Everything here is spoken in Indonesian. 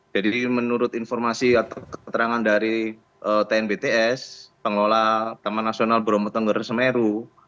jadi menurut informasi atau keterangan dari tnbts pengelola taman nasional bromotengger semeru